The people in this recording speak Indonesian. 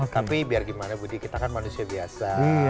tapi biar gimana budi kita kan manusia biasa